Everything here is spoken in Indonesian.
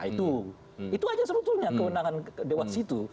itu aja sebetulnya kewenangan dewan situ